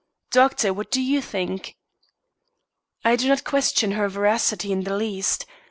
"Doctor, what do you think?" "I do not question her veracity in the least.